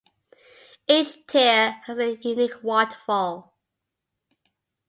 Each tier has a unique waterfall.